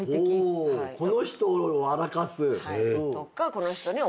ほこの人を笑かす。